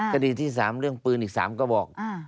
คดีที่๓เรื่องปืนอีก๓กระบอก